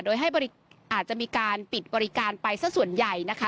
โดยให้อาจจะมีการปิดบริการไปสักส่วนใหญ่นะคะ